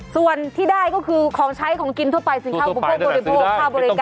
ส่วนที่ได้ก็คือของใช้ของกินทั่วไปสินค้าอุปโภคบริโภคค่าบริการ